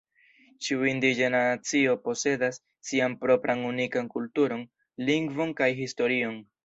Ĉiu indiĝena nacio posedas sian propran unikan kulturon, lingvon, kaj historion.